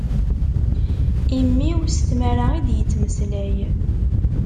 Immi-w s tmara i d-yettmeslay.